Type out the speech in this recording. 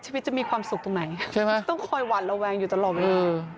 ชีวิตจะมีความสุขตรงไหนใช่ไหมต้องคอยหวาดระแวงอยู่ตลอดเวลา